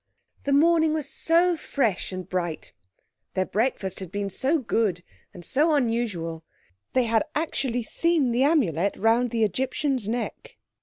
The morning was so fresh and bright; their breakfast had been so good and so unusual; they had actually seen the Amulet round the Egyptian's neck.